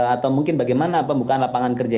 atau mungkin bagaimana pembukaan lapangan kerja